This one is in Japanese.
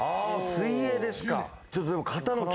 水泳ですか。